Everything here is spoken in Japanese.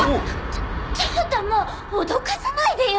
ちょちょっともうおどかさないでよ！